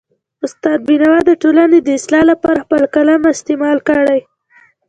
استاد بینوا د ټولنې د اصلاح لپاره خپل قلم استعمال کړ.